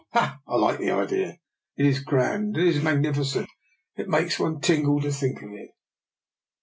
Ah! I like the idea. It is grand! It is magnificent! It makes one tingle to think of it."